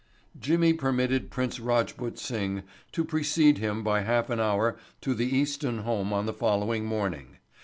Jimmy permitted Prince Rajput Singh to proceed him by half an hour to the Easton home on the following morning.